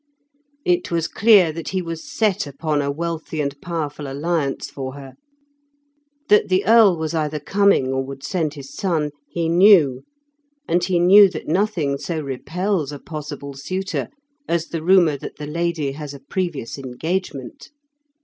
It was clear that he was set upon a wealthy and powerful alliance for her; that the Earl was either coming, or would send his son, he knew; and he knew that nothing so repels a possible suitor as the rumour that the lady has a previous engagement.